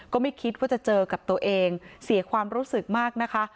ก็ไม่คิดว่าจะเจอกับตัวเองเสียความรู้สึกมากนะคะ